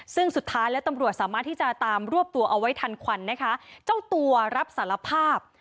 ซึ่งสุดท้ายแล้วตำรวจสามารถที่จะตามรวบตัวเอาไว้ทันควันนะคะเจ้าตัวรับสารภาพ